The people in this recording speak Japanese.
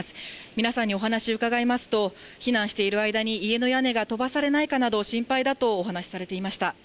皆さんにお話伺いますと、避難している間に家の屋根が飛ばされないかなど、心配だとお話されていました。